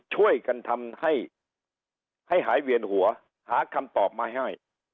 ช่วยกันทำให้ให้หายเวียนหัวหาคำตอบมาให้